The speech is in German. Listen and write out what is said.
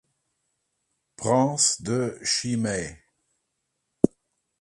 Prince de Chimay.